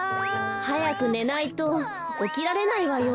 はやくねないとおきられないわよ。